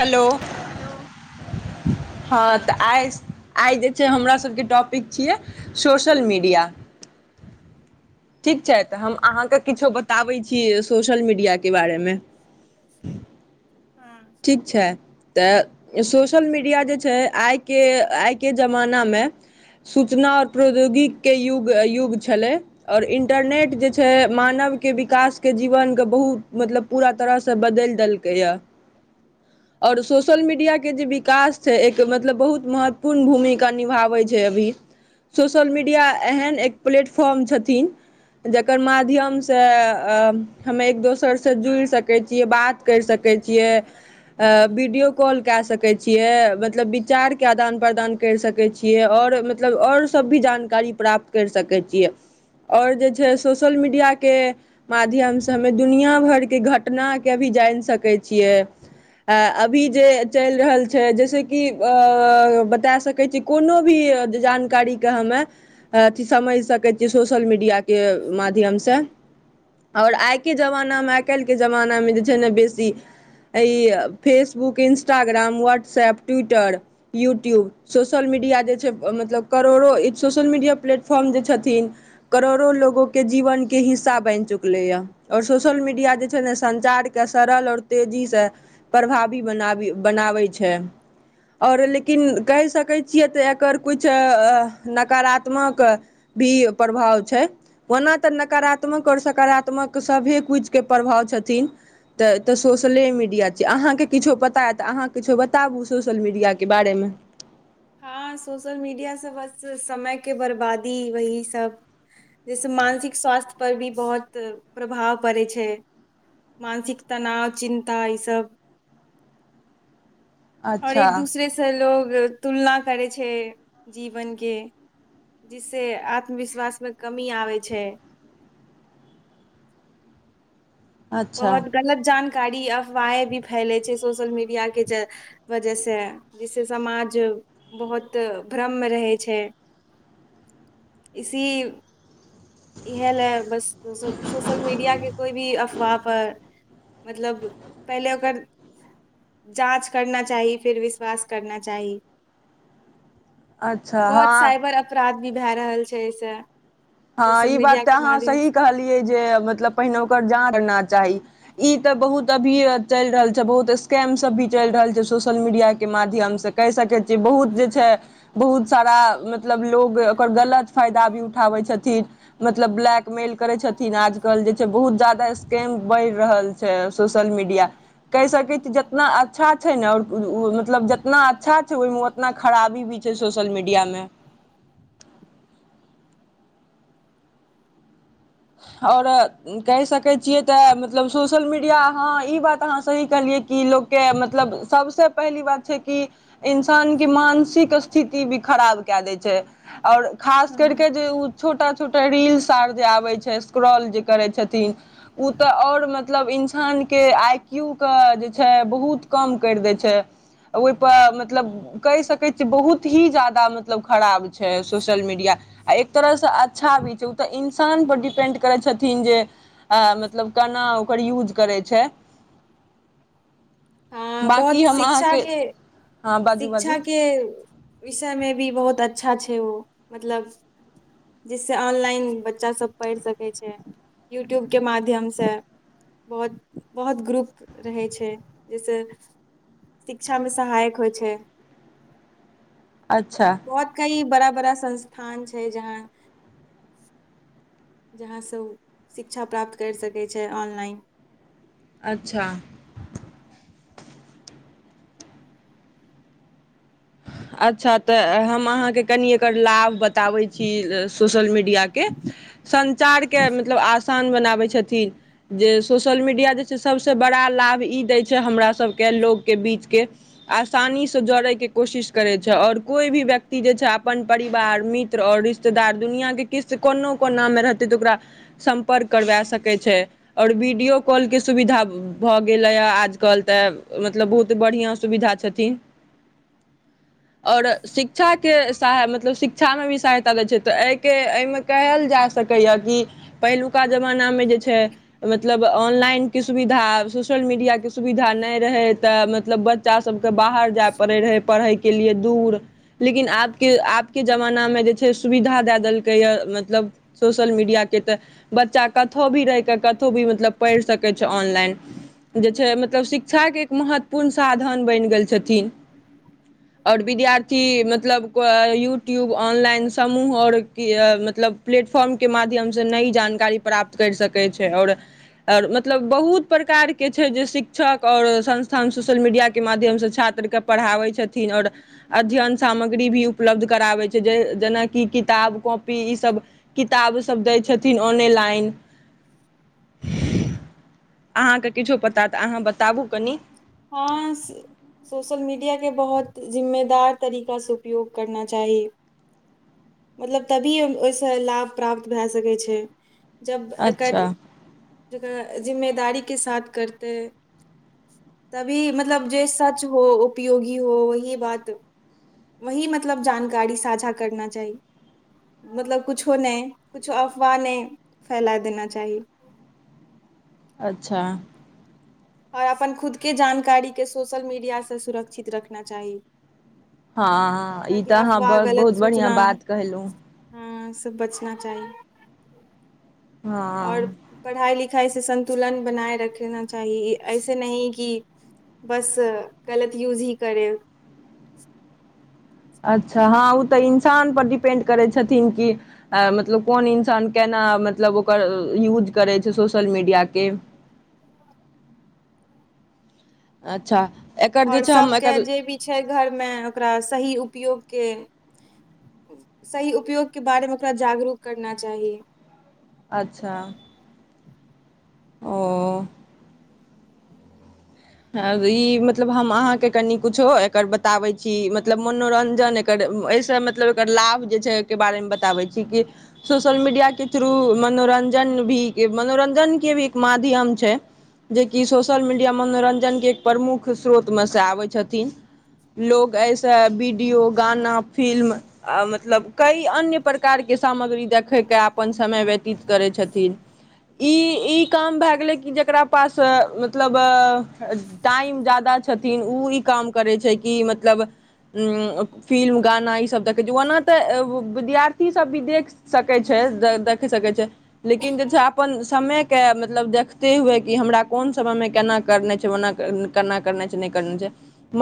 hello hello हँ तऽ आइ आइ जे छै हमराासके टॉपिक छियै सोशल मीडिया ठीक छै तऽ हम अहाँके किछो बताबै छी सोशल मीडियाक के बारेमे हँ ठीक छै तऽ सोशल मीडिया जे छै आइके आइके जमानामे सूचना आओर प्रौद्योगिक के युग छलै आओर इन्टरनेट जे छै मानव विकासके जीवनके बहुत मतलब पूरा तरहसँ बदलि देलकैए य आओर सोशल मीडियाके जे विकास छै एक मतलब बहुत महत्वपूर्ण भूमिका निभाबै छै अभी सोशल मीडिया एहन एक प्लेटफॉर्म छथिन जकर माध्यमसँ ह एक दोसरसँ जुड़ि सकैत छीयै बात करि सकै कै छियै अ वीडियो कॉल कए सकैत छियै मतलब विचार के आदान प्रदान कर सकैत छियै आओर मतलब आओर सब भी जानकारी प्राप्त कर सकय छियै आओर जे छै सोशल मीडिय के माध्यमसँ हमे दुनिया भरके घटना के अभी जानि सकै छियै अ अभी जे चलि रहल छै जैसेक कि अ बता सकै छी कोनो भी जानकारी के हमे अथी समझ सकै छियै सोशल मीडिया के के माध्यमसँ आओर आइके जमानामे आइ काल्हिके जमानामे जे छै ने बेसी Facebook Instagram WhatsApp Twitter YouTube social media जे छै मतलब करोड़ो सोशल मीडिया प्लेटफॉर्म जे छथिन करोड़ो लोग के जीवन के हिस्सा बनि चुकले या और सोशल मीडिया जे छै ने संचार के सरल और तेजी से प्रभावी बनाबी बनाबै छै आओर लेकिन कहि सकै छियै तऽ एकर किछु नकारात्मक भी प्रभाव छै ओना ते नकारात्मक और सकारात्मक सबे कुछ के प्रभाव छै छथिन तऽ एतऽ सोशले मिड अहाँकेँ किछो पता ये तऽ अहाँ किछो बताबू सोशल मीडियाके बारेमे हँ सोशल मीडिया से बस समयके बर्बादी वही सब जहिसँ मानसिक स्वास्थ्य पर भी बहुत प्रभाव पड़ै छै मानसिक तनाव चिन्ता ई सभ आओर अच्छा एक दूसरेसँ लोग तुलना करय छै जीवनके जिससे आत्मविश्वासमे कमी आबै छै अच्छा बहुत गलत जानकारी कारी अफवाहें भी फैले छै सोशल मीडिया के वजह से जिससे समाज बहुत भ्रममे रहय छै ह इसीव इहए लए बस सोशल सोशल मीडिया के कोइ भी वा पर मतलब पहिले ओकर जाँच करना चाही फेर विश्वास करना चाही अच्छा बहोत हँ साइबर अपराध भी भए रहल छै एहिसँ हँ सोशल ई बात मीडिया ते के अहाँ माध्यम सही से कहलियै जे मतलब पहिने ओकर जाँच करना चाही ई तऽ बहुत अभी चलि रहल छै बहुत स्कैम सब भी चलि रहल छै सोशल मीडिया के माध्यमसँ कहि सकैय छिय बहुत जे छै बहुत सारा मतलब लोग ओकर गलत फायदा दादी उठाबै छथि थि मतलब ब्लैकमेल करे छथिन आजकल जे छै बहुत ज्यादा स्कैम बढ़ि रहल छै सोशल मीडिया कहि सकैय छी जितना अच्छा छै ने ओ मतलब जतना अच्छा छै ओहिमे उतना खराबी भी छै सोशल मीडियामे आओर कहि सकैत छियै तऽ मतलब सोशल मीडिया हँ ई बात अहाँ सही कहलियै कि लोकके मतलब सबसँ पहली बात छै कि इंसान के मानसिक स्थिति भी खराब कए दै छै आउर खास करि के जे उ छोटा छोटा रील्स आर जे आबे छै स्क्राल जे करै छथिन उ तऽ आउर मतलब इंसानके आई क्यू कऽ जे जे छै बहुत कम करि दै छै ओहि पर मतलब कहि सकैत छी बहुत ही ज्यादा मतलब खराब छै सोशल मीडिया आ एक तरहसँ अच्छा भी छै ओ तऽ इन्सान डिप पेन्ड करै छथिन जे आं मतलब केना ओकर यूज करै छै आँ बाँकी बहुत हम शिक्षा अहाँके के हँ बाजू शिक्षा बाजू के विषयमे भी बहुत अच्छा छै ओ मतलब जिससे ऑनलाइन बच्चा सभ पढ़ि सकै छै यूट्यूबके माध्यमसे बहुत बहुत ग्रुप रहय छै जहिसँ शिक्षामे सहायक होइ छै अच्छा बहुत कई बड़ा- बड़ा संस्थान छै जहाँ जहाँसँ ओऽ शिक्षा प्राप्त करि सकैय छै ऑनलाइन अच्छा हहहह अच्छा तऽ हम अहाँके कनि एकर लाभ बताबैत छी सोशल मीडियाके संचार के मतलब आ स आसान बनाबै छथिन जे सोशल मीडिया जे छै सबसँ बड़ा लाभ ई दै छै हमरा सबके लोकके बीचके आसानीसँ जोड़ैके कोशिश करैत छै आओर कोई भी व्यक्ति जे छै अपन परिवार मित्र आओर रिश्तेदार दुनियाँके किस्त कोनो कोना मे रहतै तऽ ओकरा सम्पर्क करबे सकैत छै आओर वीडियो कॉल के सुविधा अब भऽ गेलै आजकल तऽ मतलब बहुत बढ़ियाँ सुविधा छथिन [inaudible] ओर शिक्षाके के सहाय मतलब शिक्षा मे भी सहायता लै छै तऽ एहिके एहिमे कहल जाय सकैए कि पहिलुका जमानामे जे छै मतलब ऑनलाइन के सुविधा सु सोशल मीडिया के सुविधा नहि रहै तऽ मतलब बच्चा सबके बाहर जाय पड़ैय रहय पढ़यके लिए दूर लेकिन आबके आबके जमानामे जे छै सुविधा दए देलकै य मतलब सोशल मीडिया के त बच्चा कतहो भी रहि के कतहो भी मतलब पढ़ सकैत च ऑनलाइन जे छै मतलब शिक्षाके एक महत्वपूर्ण साधन बन गेल छथिन और विद्यार्थी मतलब यूट्यूब ऑनलाइन समूह और कि मतलब प्ले प्लेटफॉर्म के माध्यम से नई जानकारी प्राप्त करि सकैय छै आओर आओर मतलब बहुत प्रकारके छै जे शिक्षक ओर संस्थान सोशल मीडियाक के माध्यमसे छात्र पत्र के पढ़ाबै छथिन ओर अध्ययन सामग्री भी उपलब्ध कराबै छै जेनाकि जेनाकि किताब कॉपी सब किताब सब दै छथिन आनेलाइन अहाँके किछो पता तऽ अहाँ बताबू कनि हाँ सोशल मीडिया के बहुत जिम्मेदार तरीकासे उपयोग करना चाही मतलब तभी ओहिसे लाभ प्राप्त भए सकैय छै जब एकर अच्छा जकरा जिम्मेदारीके साथ करतय तभी मतलब जे सच हो उपयोगी हो वही बात वही मतलब जानकारी साझा करना चाही मतलब कुछो नहि कुछो अफवाह नहि फैला देना चाही अच्छा ओर अपन खुदके जानकारीके सोशल मीडियासे सुरक्षित रखना चाही हँ ई ताकि तऽ अहाँ अफवाह बहुत गलत बहुत बढ़िआँ सूचना बात कहलहुँ ह्म बचना चाही ओर हँ पढ़ाई लि खाई संन्तुलन बनाए रखना चाही ऐसे नहि कि बस गलत यूज ही करे [inaudible] अच्छा हाँ उ तऽ इन्सान पर डिपेंड करै छथिन कि मतलब कोन इन्सान केना हाँ मतलब ओकर युज करय छै सोसल मिडिया के अच्छा एकर जे आओर छै हम सबके एकर जे भी छै घरमे ओकरा सही उपयोग के सही उपयोगके बारेमे ओकरा जागरूक करना चाही अच्छा ओ ई मतलब हम अहाँके कनि कुछो एकर बताबै छी मतलब मनोरंजन एकर ऐसे मतलब एकर लाभ जे छै ओइके बारे मे छी की सोशलमीडिया के थ्रू मनोरंजन रञजन भी मनोरञजन के भी एक माध्यम छै जेकि सोशल मीडिया मनोरं जनके एक प्रमुख स्रोतमे से आबै छथिन लोग एहिसे वीडियो गाना फिल्म मतलब कई अन्य प्रकारके सामग्री देखैयके अपन समय व्यतीत करैय छथिन ई ई काम भए गेलैय कि जेकरा पास मतलब टाइम ज्यादा छथिन ओ ई काम करैय छै कि मतलब उ फिल्म गाना ई सब देखे छै ओना तऽ विद्यार्थी सब भी देख सकैत छैथ देख सकैत छै लेकिन जे छै अपन समयके मतलब देखते हुए कि हमरा कोन समयमे केना करना छै ओना केना करना छै नहि करना छै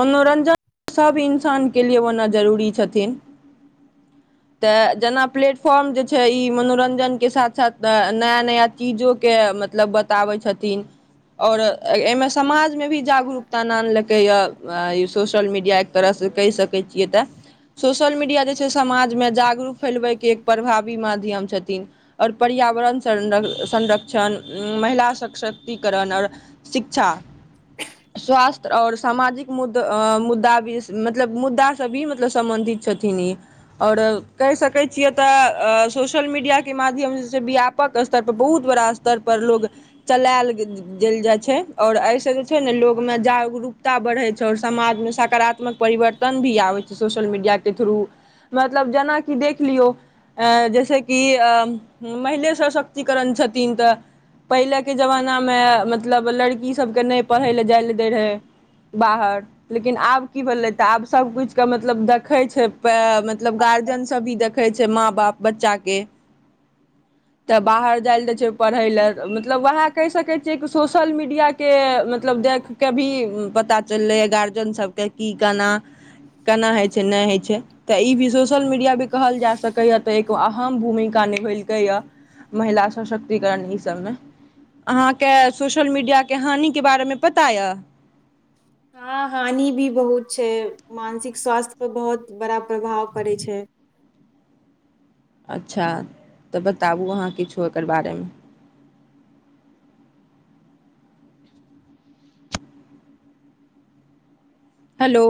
मनोरञ्जन ओ सब इन्सानके लिए होना जरूरी छथिन तऽ जेना प्लेटफॉर्म जे छै ई मनोरञ्जनके साथ साथ नया नया चीजोके [unintelligible] समाजमे भी जागरूकता नानलकैए ई सोशल मीडिया एक तरहसँ कहि सकै छियै तऽ सोशल मीडिया जे छै समाजमे जागरूक फैलबैके एक प्रभावी माध्यम छथिन आओर पर पर्यावरण संर संरक्षण महिला सशक्तिकरण आओर शिक्षा स्वास्थय आओर सामाजिक मुद्दा मुद्दा भी मतलब मुद्दाँ भी सम्बन्धित छथिन ई आओर कहि सकै छियै तऽ सोशल मीडियाके माध्यम जे छै व्यापक स्तर परर बहुत बड़ा स्तर पर लोको चलायल देल जाइ छै और आइ जे छै ने लोग मे जागरूकता बढ़ै छै आओर समाज मे सकारात्मक परिवर्तन भी आबैय छै सोशल मीडियल थ्रू जेना कि देख लियो अ जैसेकि अ महिले सशक्तिकरण छथिन तऽ पहिलेके जमानामे मतलब लड़कीसभकेँ नहि पढ़य लेलए जाय लए दैय रहैय बाहर लेकिन आब की भेलै तऽ आब सभ किछुके मतलब देखै छै मतलब गाजन सभ भी देखै छै माँ बाप बच्चाक तऽ बाहर जा छै पढ़ैलए मतलब वएहा कहि सकै छियै कि सोशल मीडियााक के मतलब देख के भी पता चललै ह गार्जियन सबके की केान केना होइ छै नहि होइ छै तऽ ई भी सोशल मीडिया भी कहल जा सकैए तऽ एको अहम भूमिका महिला सशक्तिकरण ई सबमे अहाँके सोशल मीडियाके हानिके बारेमे पता यए हँ हानि भी बहुत छै मानसिक स्वास्थ्य पर बहुत बड़ा प्रभाव पड़ैत छै [inaudible] अच्छा तऽ बताबू अहाँ किछो एकर बारेमे हेलो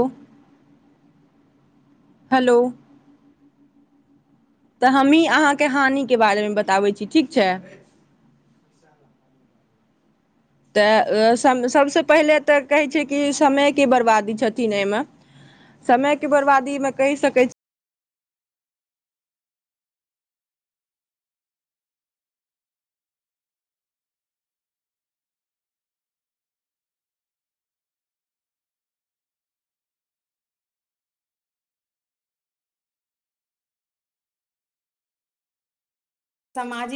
हेलो तऽ हमही अहाँके हानिके बारेमे बताबै छी ठीक छै विशाल तऽ सम सभसँ पहिले तऽ कहै छै कि समयके बरबादी छथिन एहिमे समयके बर्बादीमे कहि सकैत छी सामाजिक